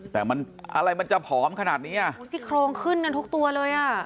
แต่มันอะไรมันจะผอมขนาดนี้อ่ะซี่โครงขึ้นกันทุกตัวเลยอ่ะ